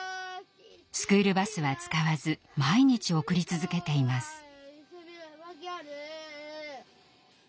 スクールバスは使わず毎日送り続けています。